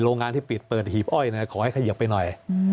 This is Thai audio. โรงงานที่ปิดเปิดหีบอ้อยขอให้เขยิบไปหน่อย